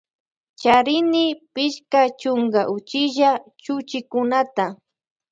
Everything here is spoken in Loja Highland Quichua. Charini pichka chunka uchilla chuchikunata.